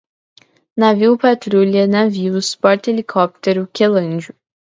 Navio-patrulha, navios, porta-helicóptero, quelândio